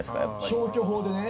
消去法でね。